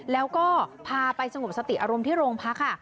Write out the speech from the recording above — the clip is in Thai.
แล้วก็พาไปสงบสติอารมณ์ที่โรงพักค่ะ